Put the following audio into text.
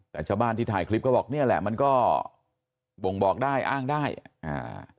แต่ชาวบ้านที่ถ่ายคลิปก็บอกเนี่ยแหละมันก็บ่งบอกได้อ้างได้อ่า